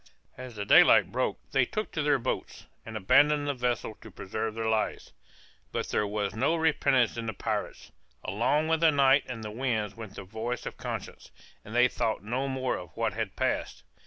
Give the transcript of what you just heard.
As the daylight broke they took to their boats, and abandoned the vessel to preserve their lives. But there was no repentance in the pirates; along with the night and the winds went the voice of conscience, and they thought no more of what had passed.